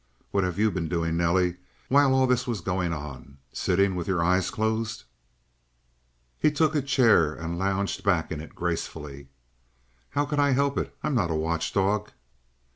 What have you been doing, Nelly, while all this was going on? Sitting with your eyes closed?" He took a chair and lounged back in it gracefully. "How could I help it? I'm not a watchdog."